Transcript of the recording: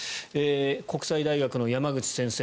国際大学の山口先生